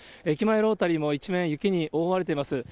駅前ロータリーも一面雪に覆われています。